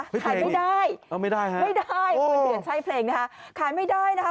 ไม่ได้ไม่ได้ปืนเถือนใช้เพลงนะคะขายไม่ได้นะคะ